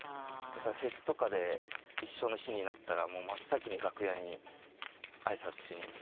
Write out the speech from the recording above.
だからフェスとかで一緒の日になったら真っ先に楽屋に挨拶しに行ったりとかですね。